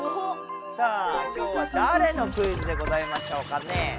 さあ今日はだれのクイズでございましょうかね。